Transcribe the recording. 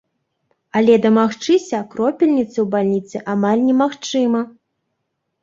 Але дамагчыся кропельніцы ў бальніцы амаль немагчыма.